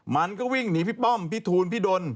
มันก็วิ่งหนีพี่ป้อมพี่ทูลพี่ดน